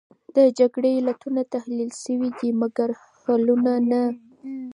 د جګړې علتونه تحلیل شوې دي، مګر حلونه نه.